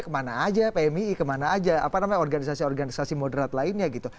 kemana aja pmii kemana aja apa namanya organisasi organisasi moderat lainnya gitu